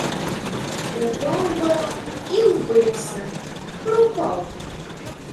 Упав баран і вбився, пропав!